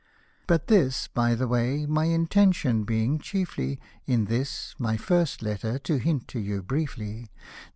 But this, by the way — my intention being chiefly In this, my first letter, to hint to you briefly.